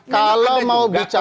kalau mau bicara